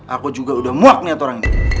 aku juga udah muak nih aturan ini